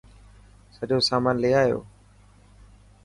سڄو سامان لي آيو.